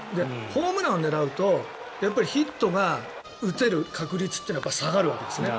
ホームランを狙うとヒットが打てる確率は下がるわけですね。